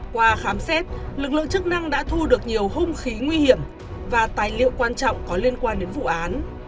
qua khám xét lực lượng chức năng đã thu được nhiều hung khí nguy hiểm và tài liệu quan trọng có liên quan đến vụ án